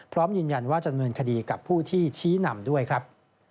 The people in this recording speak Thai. พร้อมยืนยันว่าจะเนินคดีกับผู้ที่ชี้นำด้วยครับ